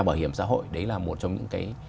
bảo hiểm xã hội đấy là một trong những